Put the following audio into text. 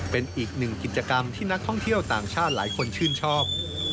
เป็นอีกหนึ่งกิจกรรมที่นักท่องเที่ยวต่างชาติหลายคนชื่นชอบ